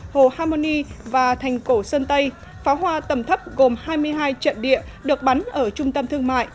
hồ hamoni và thành cổ sơn tây pháo hoa tầm thấp gồm hai mươi hai trận địa được bắn ở trung tâm thương mại